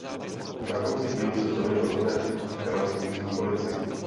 Na konci dílu se Tony rozhodne opustit Kanadskou jízdní policii.